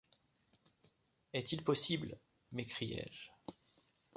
Est-il possible ? m’écriai-je.